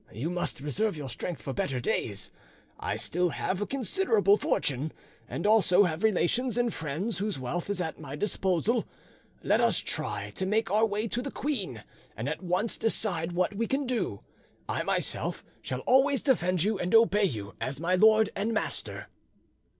You must reserve your strength for better days. I still have a considerable fortune, and also have relations and friends whose wealth is at my disposal: let us try to make our way to the queen, and at once decide what we can do. I myself shall always defend you and obey you as my lord and master."